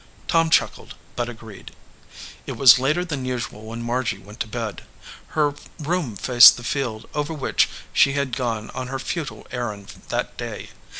Tom chuckled, but agreed. It was later than usual when Margy went to bed. Her room faced the field over which she had gone on her futile errand that day.